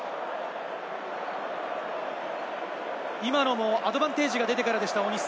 今のもアドバンテージが出てからでした。